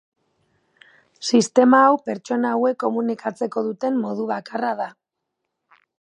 Sistema hau pertsona hauek komunikatzeko duten modu bakarra da.